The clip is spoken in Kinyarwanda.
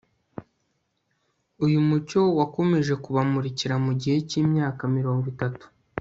uyu mucyo wakomeje kubamurikira mu gihe cy'imyaka mirongo itatu